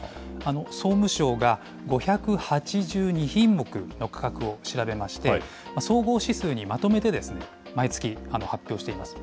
総務省が５８２品目の価格を調べまして、総合指数にまとめて毎月、発表しています。